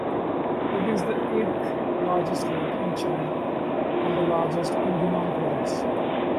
It is the eighth largest lake in China and the largest in Yunnan Province.